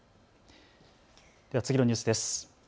次のニュースです。